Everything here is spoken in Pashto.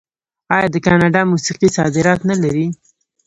آیا د کاناډا موسیقي صادرات نلري؟